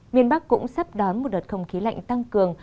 miền bắc cũng sắp đón một đợt không khí lạnh tăng cường